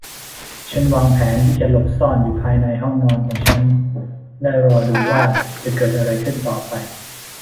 ฉันวางแผนที่จะหลบซ่อนอยู่ภายในห้องนอนของฉันและรอดูว่าจะเกิดอะไรขึ้นต่อไป